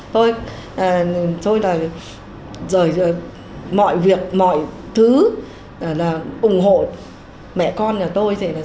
tôi là rời mọi việc mọi thứ là ủng hộ mẹ con nhà tôi